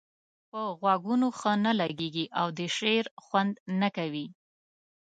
پر غوږونو ښه نه لګيږي او د شعر خوند نه کوي.